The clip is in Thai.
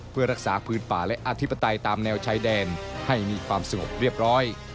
เพื่อรักษาพื้นป่าและอธิปไตยตามแนวชายแดนให้มีความสงบเรียบร้อย